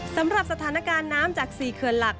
สำหรับสถานการณ์น้ำจาก๔เขื่อนหลัก